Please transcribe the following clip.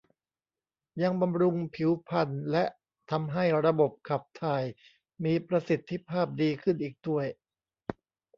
ยังบำรุงผิวพรรณและทำให้ระบบขับถ่ายมีประสิทธิภาพดีขึ้นอีกด้วย